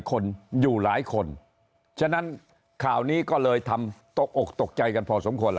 คนอยู่หลายคนฉะนั้นข่าวนี้ก็เลยทำตกอกตกใจกันพอสมควร